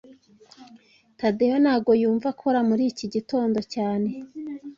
Tadeyo ntago yumva akora muri iki gitondo cyane